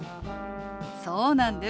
そうなんです。